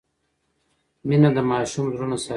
مینه د ماشوم زړونه ساتي.